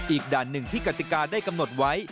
อีกด่านหนึ่งที่กติกาได้กำหนดไว้